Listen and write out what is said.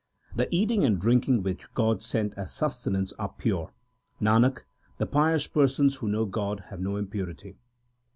The eating and drinking which God sent as sustenance are pure. Nanak, the pious persons who know God have no impurity.